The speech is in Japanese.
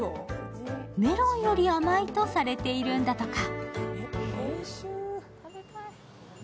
メロンより甘いとされているんだとか。